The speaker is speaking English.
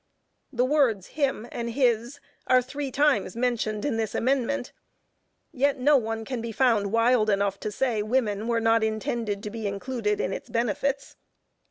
The words "him" and "his," are three times mentioned in this amendment, yet no one can be found wild enough to say women were not intended to be included in its benefits.